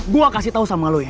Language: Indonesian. gue kasih tau sama lo ya